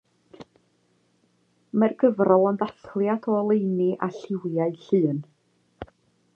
Mae'r gyfrol yn ddathliad o oleuni a lliwiau Llŷn.